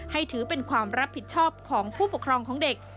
ถือเป็นความรับผิดชอบของผู้ปกครองของเด็ก